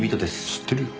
知ってるよ。